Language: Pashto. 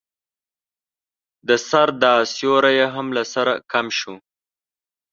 د سر دا سيوری يې هم له سره کم شو.